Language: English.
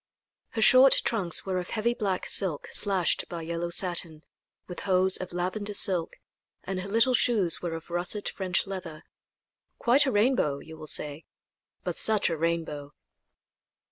Her short trunks were of heavy black silk slashed by yellow satin, with hose of lavender silk; and her little shoes were of russet French leather. Quite a rainbow, you will say but such a rainbow!